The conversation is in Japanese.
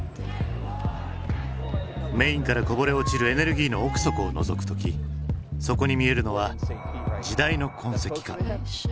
メインからこぼれ落ちるエネルギーの奥底をのぞく時そこに見えるのは時代の痕跡か？